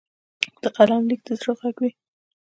د قلم لیک د زړه غږ وي.